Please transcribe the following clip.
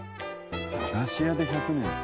駄菓子屋で１００年って。